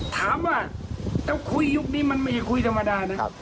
ถามว่าถ้าคุยยุคนี้มันไม่ใช่คุยธรรมดานะ